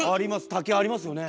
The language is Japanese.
竹ありますよね。